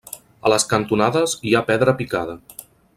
A les cantonades hi ha pedra picada.